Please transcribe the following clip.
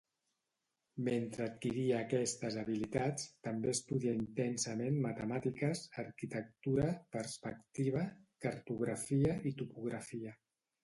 Mentre adquiria aquestes habilitats, també estudià intensament matemàtiques, arquitectura, perspectiva, cartografia i topografia.